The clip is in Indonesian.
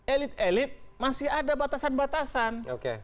elit elit masih ada batasan batasan